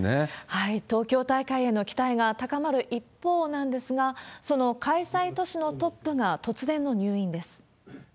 東京大会への期待が高まる一方なんですが、その開催都市のトップが突然の入院です。